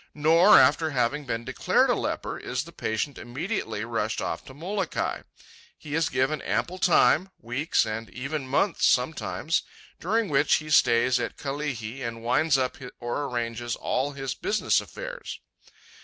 Nor, after having been declared a leper, is the patient immediately rushed off to Molokai. He is given ample time, weeks, and even months, sometimes, during which he stays at Kalihi and winds up or arranges all his business affairs.